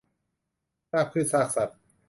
ซากพืชซากสัตว์